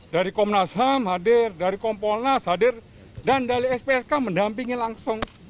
dari komnas ham hadir dari kompolnas hadir dan dari spsk mendampingi langsung